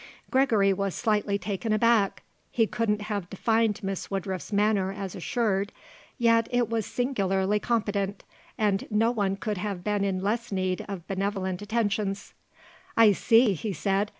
Gregory was slightly taken aback. He couldn't have defined Miss Woodruff's manner as assured, yet it was singularly competent; and no one could have been in less need of benevolent attentions. "I see," he said.